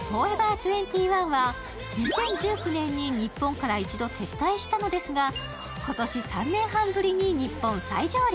２１は２０１９年に日本から一度撤退したのですが、今年、３年半ぶりに日本再上陸。